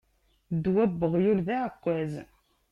Ddwa n uɣyul d aɛekkaz.